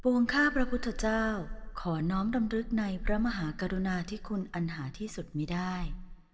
วงข้าพระพุทธเจ้าขอน้อมดำรึกในพระมหากรุณาที่คุณอันหาที่สุดมีได้